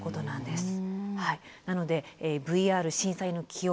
なので「ＶＲ震災の記憶」